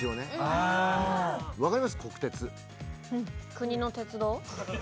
国の鉄道？